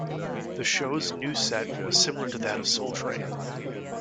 The show's new set was similar to that of "Soul Train".